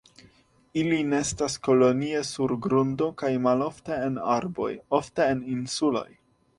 Ili nestas kolonie sur grundo kaj malofte en arboj, ofte en insuloj.